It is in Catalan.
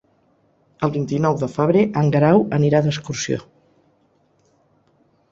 El vint-i-nou de febrer en Guerau anirà d'excursió.